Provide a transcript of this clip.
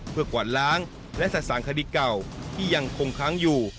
เพื่อกวาดล้างและสะสางคดีเก่าที่ยังคงค้างอยู่